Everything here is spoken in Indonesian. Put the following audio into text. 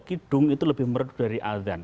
kidung itu lebih merdu dari adhan